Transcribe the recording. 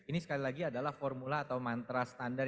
ini sekali lagi adalah formula atau mantra standar